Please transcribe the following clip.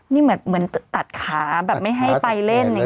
นี่เหมือนตัดขาแบบไม่ให้ไปเล่นอย่างนี้